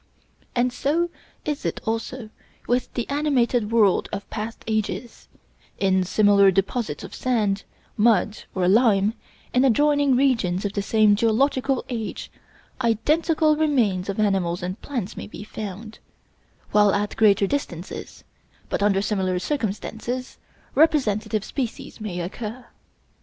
And so is it also with the animated world of past ages: in similar deposits of sand, mud, or lime, in adjoining regions of the same geological age, identical remains of animals and plants may be found; while at greater distances, but under similar circumstances, representative species may occur.